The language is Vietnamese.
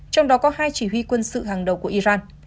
trong đó có hai chỉ huy quân sự hàng đầu của iran